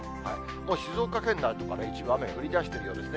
もう静岡県内、一部、雨降りだしているようですね。